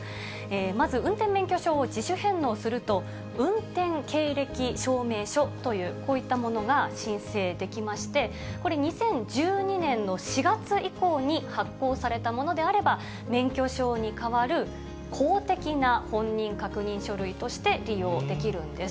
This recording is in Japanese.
まず、運転免許証を自主返納すると、運転経歴証明書という、こういったものが申請できまして、これ、２０１２年の４月以降に発行されたものであれば、免許証に代わる公的な本人確認書類として利用できるんです。